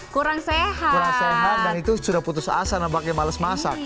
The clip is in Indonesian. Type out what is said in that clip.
kurang sehat dan itu sudah putus asa namanya males masak